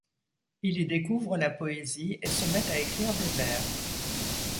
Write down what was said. Il y découvre la poésie et se met à écrire des vers.